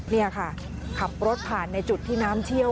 นี่ค่ะขับรถผ่านในจุดที่น้ำเชี่ยว